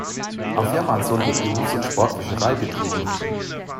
Am Fehmarnsund wird Berufs- und Sportfischerei betrieben.